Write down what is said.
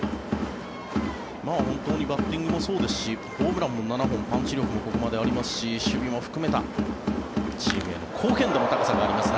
本当にバッティングもそうですしホームランも７本パンチ力もここまでありますし守備も含めたチームへの貢献度の高さがあります